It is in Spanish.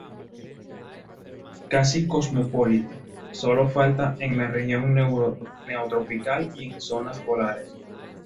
Casi cosmopolita, solo falta en la región neotropical y en las zonas polares.